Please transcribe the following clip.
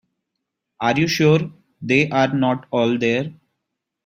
Are you sure they are not all there?